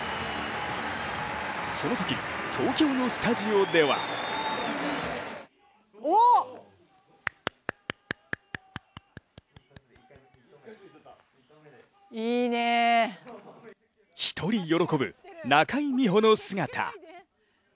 そのとき、東京のスタジオでは一人喜ぶ中井美穂の姿。